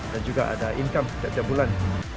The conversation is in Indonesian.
dan juga ada income setiap bulan